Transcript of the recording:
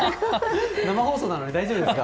生放送なのに大丈夫ですか。